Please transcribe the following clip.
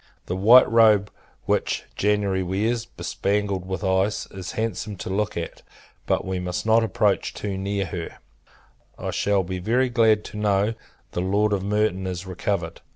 The white robe which January wears, bespangled with ice, is handsome to look at; but we must not approach too near her. I shall be very glad to know the Lord of Merton is recovered.